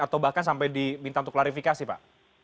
atau bahkan sampai diminta untuk klarifikasi pak